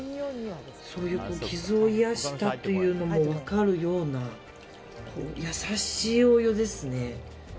そういう傷を癒やしたというのも分かるような優しいお湯ですね。